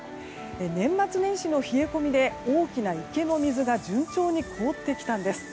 年末年始の冷え込みで大きな池の水が順調に凍ってきたんです。